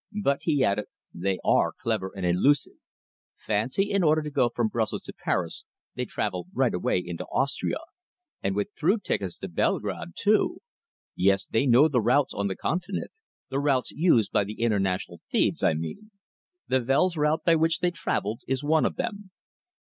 But," he added, "they are clever and elusive. Fancy, in order to go from Brussels to Paris they travel right away into Austria, and with through tickets to Belgrade, too! Yes, they know the routes on the Continent the routes used by the international thieves, I mean. The Wels route by which they travelled, is one of them."